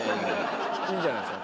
いいんじゃないですか？